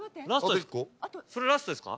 それラストですか？